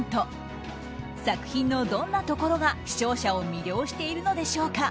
作品のどんなところが、視聴者を魅了しているのでしょうか？